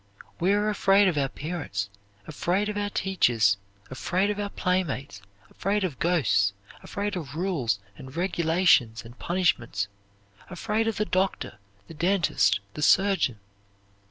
We are afraid of our parents, afraid of our teachers, afraid of our playmates, afraid of ghosts, afraid of rules and regulations and punishments, afraid of the doctor, the dentist, the surgeon.